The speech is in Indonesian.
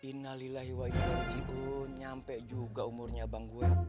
hai innalillahi wa aji'un nyampe juga umurnya bangguan